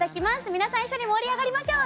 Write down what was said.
皆さん、一緒に盛り上がりましょう！